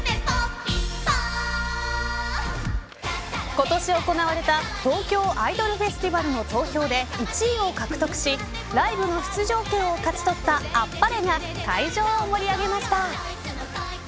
今年行われた東京アイドルフェスティバルの投票で、１位を獲得しライブの出場権を勝ち取ったＡｐｐａｒｅ！が会場を盛り上げました。